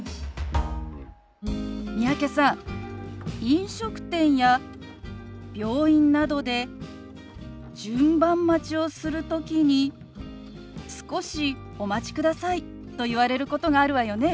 飲食店や病院などで順番待ちをする時に「少しお待ちください」と言われることがあるわよね？